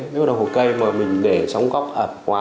nếu đồng hồ cây mà mình để trong góc ẩm quá